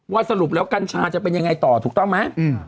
สรุปแล้วกัญชาจะเป็นยังไงต่อถูกต้องไหม